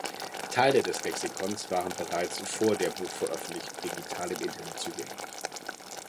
Teile des Lexikons waren bereits vor der Buchveröffentlichung digital im Internet zugänglich.